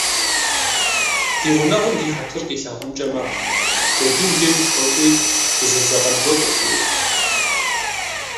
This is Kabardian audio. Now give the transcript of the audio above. Ди гъунэгъум ди хьэтыр къилъагъункӏэ мэхъу: джэдум деж тхуэкӏуи, дызэдзэкъэн гуэр къытхуеӏых.